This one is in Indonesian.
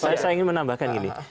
saya ingin menambahkan gini